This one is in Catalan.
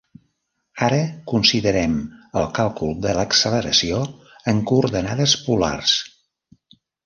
Ara considerem el càlcul de l'acceleració en coordenades polars.